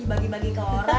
dibagi bagi ke orang